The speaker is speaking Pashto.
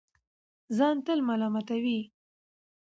ځان تل ملامتوي